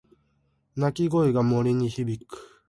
鳴き声が森に響く。